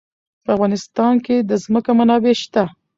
په افغانستان کې د ځمکه منابع شته.